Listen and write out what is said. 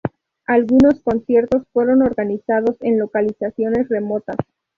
Algunos conciertos fueron organizados en localizaciones remotas.